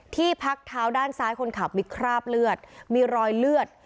ที่พักเท้าด้านซ้ายคนขับมีคราบเลือดมีรอยเลือด